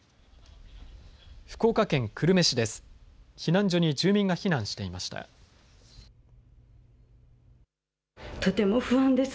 福岡県久留米市です。